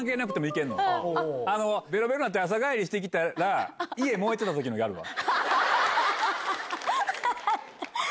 ベロベロになって朝帰りしたら家燃えてた時のギャルは？